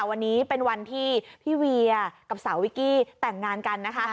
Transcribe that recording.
วันนี้เป็นวันที่พี่เวียกับสาววิกกี้แต่งงานกันนะคะ